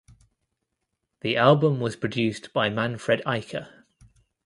The album was produced by Manfred Eicher.